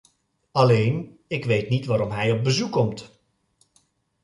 Alleen, ik weet niet waarom hij op bezoek komt.